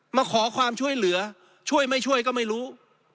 มาขอความช่วยเหลือช่วยไม่ช่วยก็ไม่รู้